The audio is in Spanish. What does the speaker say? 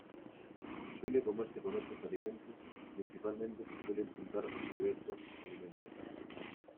Suele comerse con otros alimentos, principalmente se suelen untar diversos alimentos.